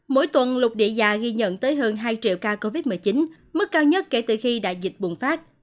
mỗi tuần lục địa già ghi nhận tới hơn hai triệu ca covid một mươi chín mức cao nhất kể từ khi đại dịch bùng phát